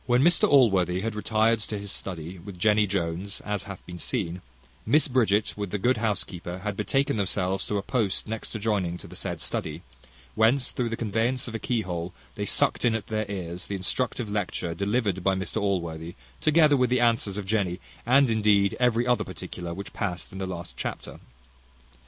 When Mr Allworthy had retired to his study with Jenny Jones, as hath been seen, Mrs Bridget, with the good housekeeper, had betaken themselves to a post next adjoining to the said study; whence, through the conveyance of a keyhole, they sucked in at their ears the instructive lecture delivered by Mr Allworthy, together with the answers of Jenny, and indeed every other particular which passed in the last chapter.